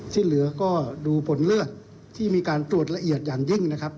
ที่เหลือก็ดูผลเลือดที่มีการตรวจละเอียดอย่างยิ่งนะครับ